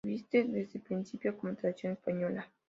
Se viste desde principio como tradición española.